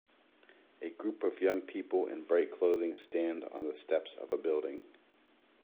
A group of young people in bright clothing stand on the steps of a building.